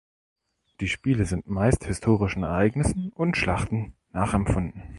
Die Spiele sind meist historischen Ereignissen und Schlachten nachempfunden.